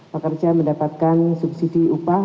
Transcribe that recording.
pekerja mendapatkan subsidi upah